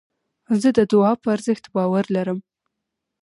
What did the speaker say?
زه د دؤعا په ارزښت باور لرم.